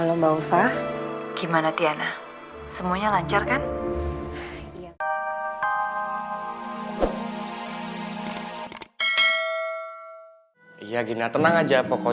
lu baik banget ya mulai